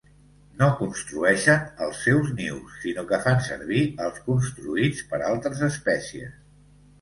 No construeixen els seus nius, sinó que fan servir els construïts per altres espècies.